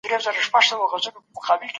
د دغي پلمې مانا چاته معلومه ده؟